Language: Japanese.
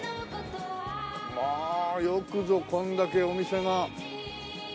まあよくぞこれだけお店が。